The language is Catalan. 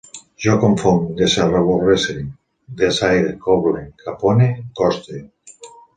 Jo confonc, desarrebosse, desaire, coble, capone, coste